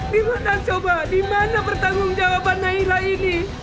dimana coba dimana bertanggung jawab naira ini